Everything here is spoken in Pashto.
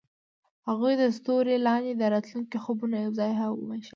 هغوی د ستوري لاندې د راتلونکي خوبونه یوځای هم وویشل.